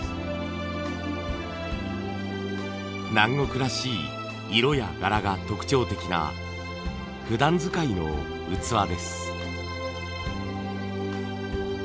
南国らしい色や柄が特徴的なふだん使いの器です。